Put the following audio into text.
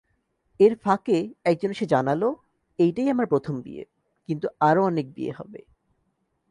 এর ফাঁকে একজন এসে জানাল, এইটাই আমার প্রথম বিয়ে৷ কিন্তু আরো অনেক বিয়ে হবে।